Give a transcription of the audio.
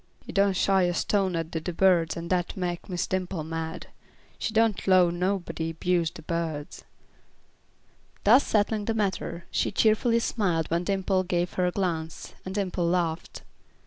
"He done shy a stone at the de birds and dat mek Miss Dimple mad. She don't 'low nobody 'buse de birds." Thus settling the matter, she cheerfully smiled when Dimple gave her a glance, and Dimple laughed.